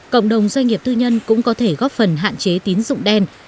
cộng đồng doanh nghiệp tư nhân cũng có thể góp phần hạn chế tín dụng đen